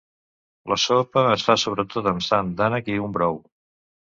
La sopa es fa sobretot amb sang d'ànec i un brou.